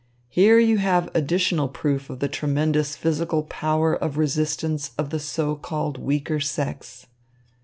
Here you have additional proof of the tremendous physical power of resistance of the so called weaker sex."